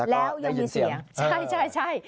แล้วยังมีเสียงใช่